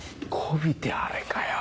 媚びてあれかよ。